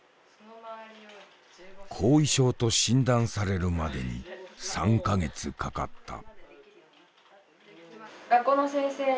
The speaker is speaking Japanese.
後遺症と診断されるまでに３か月かかった。